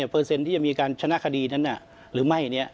เปอร์เซ็นต์ที่จะมีการชนะคดีนั้นหรือไม่